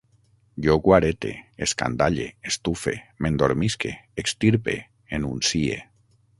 Jo guarete, escandalle, estufe, m'endormisque, extirpe, enuncie